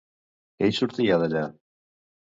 Què hi sortia d'allà?